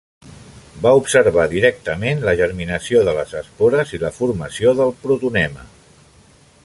Va observar directament la germinació de les espores i la formació del protonema.